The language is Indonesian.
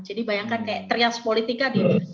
jadi bayangkan kayak trias politica gitu